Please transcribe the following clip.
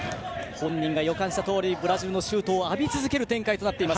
本人が予感したとおりブラジルのシュートを浴び続ける展開となっています